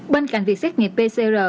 bên cạnh việc xét nghiệm pcr